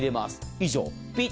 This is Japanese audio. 以上。